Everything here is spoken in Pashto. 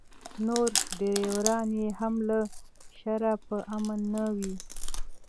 نور ډریوران یې هم له شره په امن نه وي.